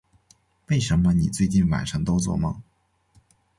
为什么你最近晚上都作梦